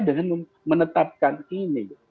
belum menetapkan ini